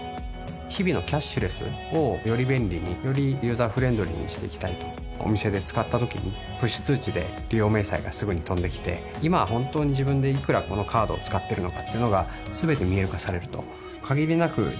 日々のキャッシュレスをより便利によりユーザーフレンドリーにしていきたいとお店で使ったときにプッシュ通知で利用明細がすぐに飛んできて今本当に自分でいくらこのカードを使ってるのかっていうのが全て見える化されると限りなく